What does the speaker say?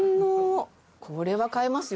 これは買いますよ